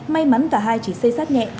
may mắn cả hai chỉ xe sát nhẹ